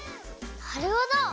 なるほど！